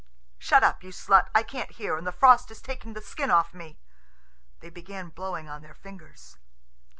"Shut up, you slut! I can't hear, and the frost is taking the skin off me." They began blowing on their fingers.